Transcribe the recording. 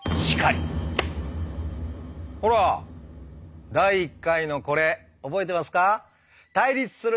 ほら第１回のこれ覚えてますか？